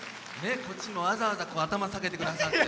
こっちも、わざわざ頭、下げてくださって。